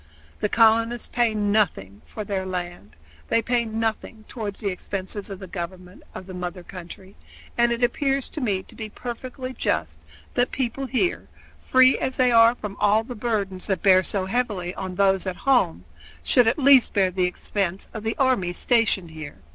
The colonists pay nothing for their land; they pay nothing toward the expenses of the government of the mother country; and it appears to me to be perfectly just that people here, free as they are from all the burdens that bear so heavily on those at home, should at least bear the expense of the army stationed here.